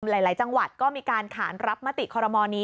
หลายจังหวัดก็มีการขานรับมติคอรมอลนี้